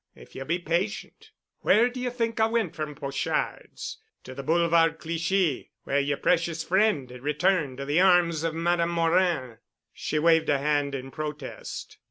If ye'll be patient. Where do ye think I went from Pochard's? To the Boulevard Clichy, where yer precious friend had returned to the arms of Madame Morin——" She waved a hand in protest.